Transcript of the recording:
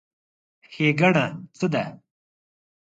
ښېګڼه څه ده؟